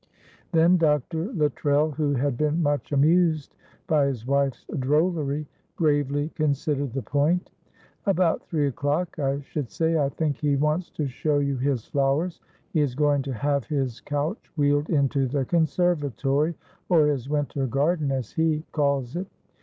Then Dr. Luttrell, who had been much amused by his wife's drollery, gravely considered the point. "About three o'clock, I should say; I think he wants to show you his flowers; he is going to have his couch wheeled into the conservatory, or his winter garden, as he calls it.